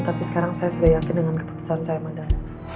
tapi sekarang saya sudah yakin dengan keputusan saya mandali